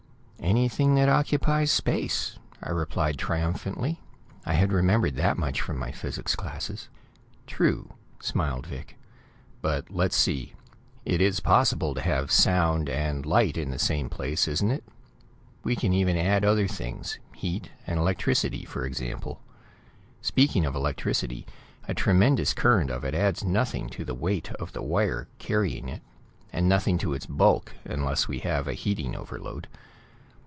"Anything that occupies space," I replied triumphantly. I had remembered that much from my physics classes. "True," smiled Vic. "But let's see. It is possible to have sound and light in the same place, isn't it? We can even add other things: heat and electricity, for example. Speaking of electricity, a tremendous current of it adds nothing to the weight of the wire carrying it, and nothing to its bulk, unless we have a heating overload.